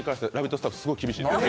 スタッフ結構厳しいです。